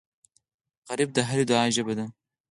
غریب د هرې دعا ژبه ده